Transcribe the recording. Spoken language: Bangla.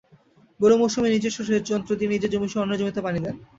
বোরো মৌসুমে নিজস্ব সেচযন্ত্র দিয়ে নিজের জমিসহ অন্যের জমিতে পানি দেন।